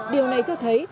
điều này cho thấy